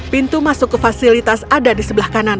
pintu masuk ke fasilitas ada di sebelah kanan